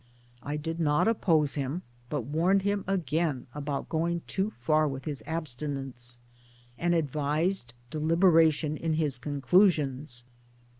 I did not oppose him ; but warned him again about going too far with his abstinence, and advised delibera tion in his conclusions.